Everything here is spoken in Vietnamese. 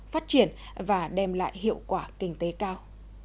phát triển và đem lại hiệu quả kinh tế cao